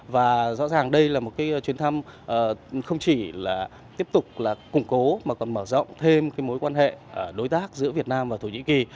và rõ ràng đây là một chuyến thăm không chỉ là tiếp tục là củng cố mà còn mở rộng thêm mối quan hệ đối tác giữa việt nam và thổ nhĩ kỳ